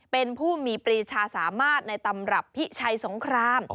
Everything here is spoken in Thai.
เป็นผู้มีปรีชาสามารถในตำรับพิชัยสงคราม